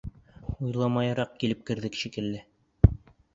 Уйламайыраҡ килеп керҙек шикелле.